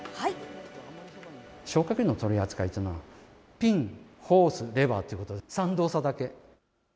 消火器の取り扱いというのはピン、ホース、レバーってことで、３動作だけ。